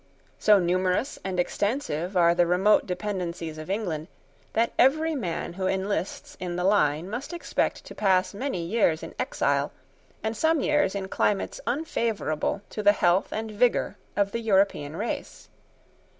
So numerous and extensive are the remote dependencies of England, that every man who enlists in the line must expect to pass many years in exile, and some years in climates unfavourable to the health and vigour of the European race.